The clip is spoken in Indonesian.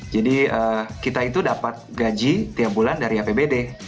jadi kita itu dapat gaji tiap bulan dari apbd